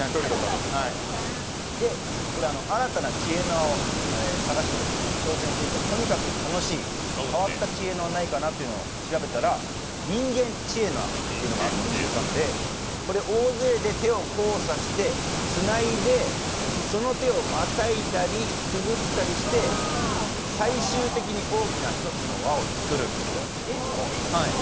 新たな知恵の輪を探して挑戦していって、変わった知恵の輪ないかなというのを調べたら人間知恵の輪ってのがあるのを知ったんで大勢で手を交差してつないで、その手をまたいだりくぐったりして最終的に大きな１つの輪を作るという。